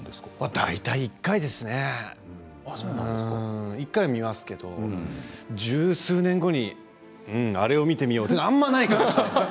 大体１回は見ますけどね十数年後に、うん、あれを見てみよう、というのはあんまりないかもしれません。